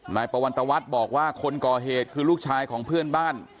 นายปวันตวัฒน์บอกว่าคนก่อเหตุคือลูกชายของเพื่อนบ้าน